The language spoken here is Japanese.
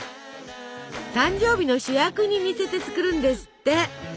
誕生日の主役に似せて作るんですって！